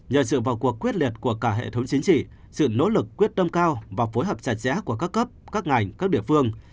nhờ sự vào cuộc quyết liệt của cả hệ thống chính trị sự nỗ lực quyết tâm cao và phối hợp chặt chẽ của các cấp các ngành các địa phương